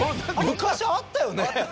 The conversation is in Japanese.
昔あったよね？